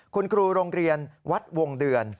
คุณครูโรงเรียนวัดวงเดือน